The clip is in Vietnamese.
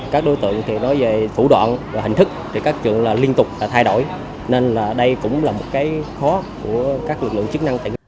các đối tượng nói về thủ đoạn và hình thức thì các trường liên tục thay đổi nên đây cũng là một khó của các lực lượng chức năng